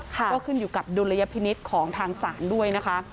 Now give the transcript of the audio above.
ก็ขึ้นอยู่กับดุลยพินิษฐ์ของทางศาลด้วยนะคะ